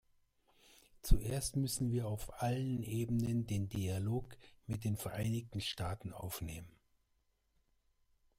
Zuerst müssen wir auf allen Ebenen den Dialog mit den Vereinigten Staaten aufnehmen.